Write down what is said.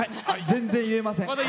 全然言えません。